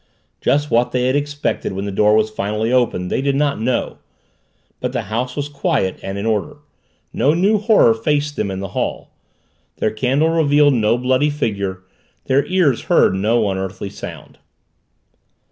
Just what they had expected when the door was finally opened they did not know. But the house was quiet and in order; no new horror faced them in the hall; their candle revealed no bloody figure, their ears heard no unearthly sound.